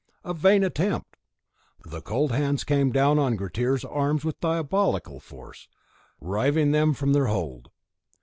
A vain attempt! The cold hands came down on Grettir's arms with diabolical force, riving them from their hold.